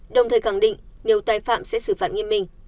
đồng thời khẳng định nếu tài phạm sẽ xử phạt nghiêm minh